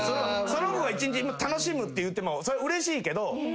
その子が一日楽しむっていってもうれしいけど。